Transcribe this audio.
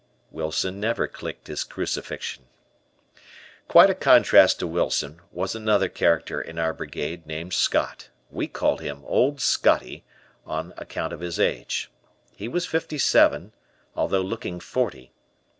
Wilson never clicked his crucifixion. Quite a contrast to Wilson was another character in our Brigade named Scott, we called him "Old Scotty" on account of his age. He was fifty seven, although looking forty.